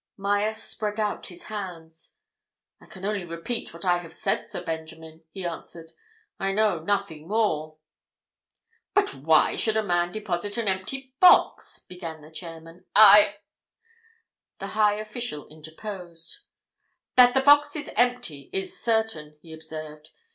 Myerst spread out his hands. "I can only repeat what I have said, Sir Benjamin," he answered. "I know nothing more." "But why should a man deposit an empty box?" began the chairman. "I—" The high official interposed. "That the box is empty is certain," he observed.